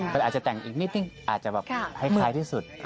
มันอาจจะแต่งอีกนิดนึงอาจจะแบบคล้ายที่สุด